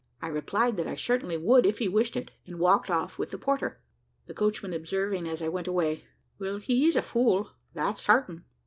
I replied that I certainly would, if he wished it, and walked off with the porter; the coachman observing as I went away, "Well, he is a fool that's sartain."